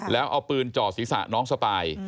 แล้วเอาปืนจ่อศีรษะน้องสปาย